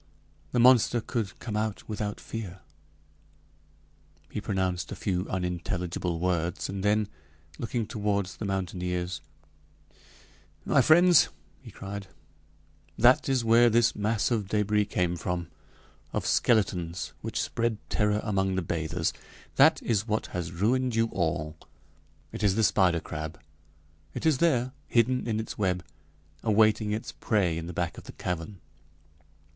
"The monster could come out without fear " He pronounced a few unintelligible words, and then, looking toward the mountaineers: "My friends," he cried, "that is where this mass of débris came from of skeletons which spread terror among the bathers. That is what has ruined you all it is the spider crab! It is there hidden in its web awaiting its prey in the back of the cavern!